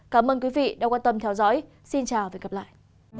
cảm ơn quý vị đã quan tâm theo dõi xin chào và hẹn gặp lại